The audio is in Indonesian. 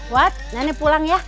wat nenek pulang ya